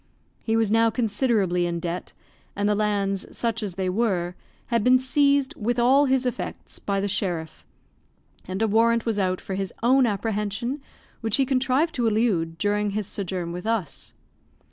He was now considerably in debt, and the lands, such as they were, had been seized, with all his effects, by the sheriff, and a warrant was out for his own apprehension, which he contrived to elude during his sojourn with us.